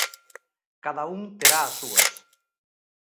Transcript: Cada un terá as súas.